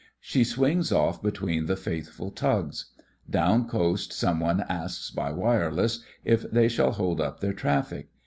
She swings off between the faithful tugs. Down coast some one asks by wireless if they shall hold up their traffic.